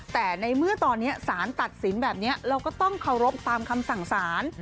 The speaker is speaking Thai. แต่ในเมื่อตอนนี้สารตัดสินแบบนี้เราก็ต้องเคารพตามคำสั่งสาร